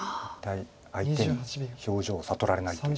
相手に表情を悟られないという。